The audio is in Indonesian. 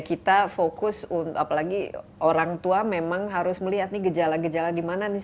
kita fokus apalagi orang tua memang harus melihat nih gejala gejala di mana nih